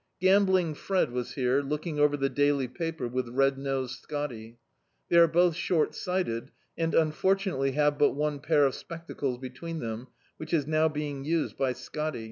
"Gambling" Fred was here, looking over the daily paper with "Red Nosed Scotty." They are both short sighted, and, unfortunately, have but one pair of spectacles between them, which is now being used by "Scotty."